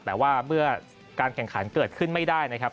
แต่ว่าเมื่อการแข่งขันเกิดขึ้นไม่ได้นะครับ